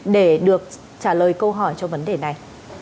để được trả lời câu hỏi cho vấn đề này